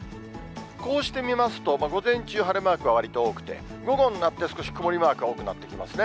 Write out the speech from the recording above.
こうして見ますと、午前中、晴れマークがわりと多くて、午後になって少し曇りマークが多くなってきますね。